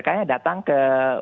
kayaknya datang ke